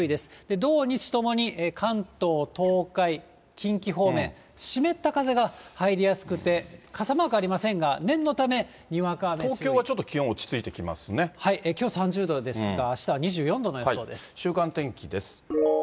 土、日ともに関東、東海、近畿方面、湿った風が入りやすくて、傘マークありませんが、念のため、東京はちょっと気温、落ち着きょう３０度ですが、週間天気です。